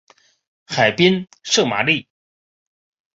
海滨圣玛丽。